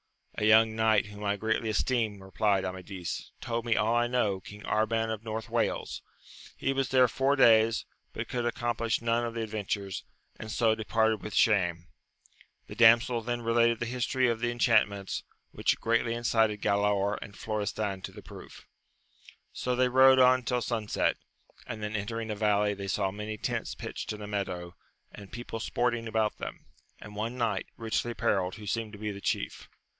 A young knight whom I greatly esteem, replied Amadis, told me all I know; King Arban of North Wales : he was there four days, but could accomplish none of the adventures, and so departed with shame. The damsel then related the history of the enchantments, which greatly incited Galaor and Florestan to the proof. So they rode on till sunset, and then entering a valley, they saw many tents pitched in a meadow, and people sporting about them, and one knight, richly apparelled, who seemed to be the chief.